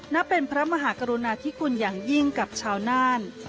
นับเป็นพระมหากรุณาธิคุณอย่างยิ่งกับชาวน่าน